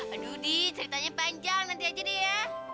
aduh di ceritanya panjang nanti aja deh ya